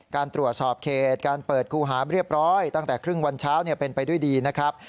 การตรวจสอบเขตการเปิดคู่หาเรียบร้อยตั้งแต่ครึ่งวันเช้าเป็นไปด้วยดีนะครับ